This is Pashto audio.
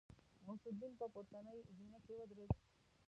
غوث الدين په پورتنۍ زينه کې ودرېد.